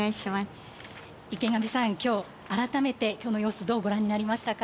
池上さん、きょう改めて、きょうの様子、どうご覧になりましたか？